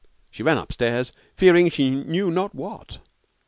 She ran upstairs, fearing she knew not what.